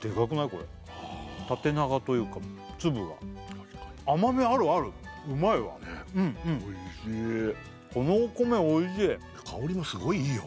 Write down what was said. これ縦長というか粒が確かに甘みあるあるうまいわねっおいしいうんうんこのお米おいしい香りもすごいいいよ